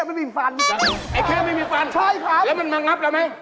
อ้าวแล้วทำไมไม่เจอเสือก่อนเลย